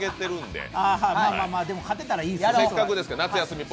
でも勝てたらいいんです。